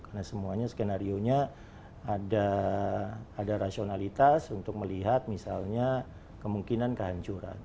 karena semuanya skenario nya ada rasionalitas untuk melihat misalnya kemungkinan kehancuran